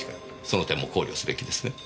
その点も考慮すべきですね。